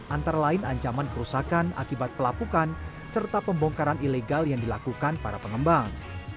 antara lain ancaman kerusakan akibat pelapukan serta pembongkaran ilegal yang dilakukan para pengembang